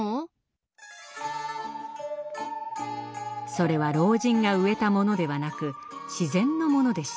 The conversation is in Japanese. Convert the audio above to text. それは老人が植えたものではなく自然のものでした。